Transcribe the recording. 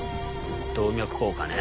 動脈硬化ね。